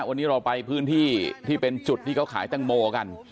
วันนี้เราไปพื้นที่ที่เป็นจุดที่เขาขายแตงโมกัน